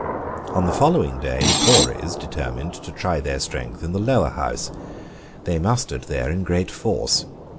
On the following day the Tories determined to try their strength in the Lower House. They mustered there in great force.